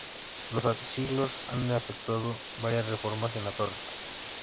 Los siglos han efectuado varias reformas en la torre.